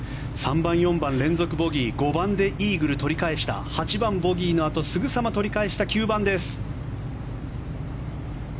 ３番、４番、連続ボギー５番でイーグル取り返した８番ボギーのあとすぐさま取り返した９番です。